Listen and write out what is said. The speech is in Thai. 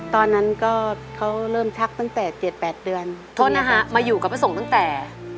ตอนนั้นก็เขาเริ่มชักตั้งแต่๗๘เดือนโทษนะฮะมาอยู่กับพระสงฆ์ตั้งแต่